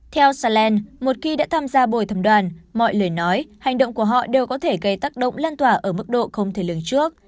theo saland một khi đã tham gia bồi thẩm đoàn mọi lời nói hành động của họ đều có thể gây tác động lan tỏa ở mức độ không thể lường trước